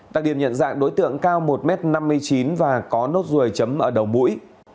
đặc điểm nhận dạng đối tượng cao một m năm mươi chín và có nốt ruồi chấm ở đầu mũi